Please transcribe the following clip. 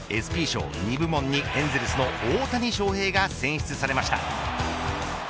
ＥＳＰＹ賞２部門にエンゼルスの大谷翔平が選出されました。